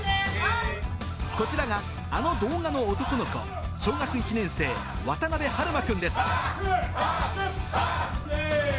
こちらがあの動画の男の子、小学１年生、渡邊はるま君です。